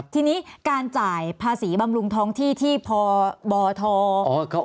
ทีนี้แล้วก็